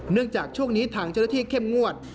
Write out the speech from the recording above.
เนื่องจากช่วงนี้ถังเจ้าหน้าที่เข้มงวด